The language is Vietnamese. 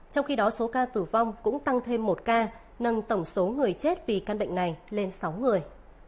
trong khi đó số ca tử vong cũng tăng thêm một ca nâng tổng số người chết vì căn bệnh này lên sáu người